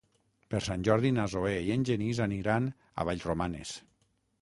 Per Sant Jordi na Zoè i en Genís aniran a Vallromanes.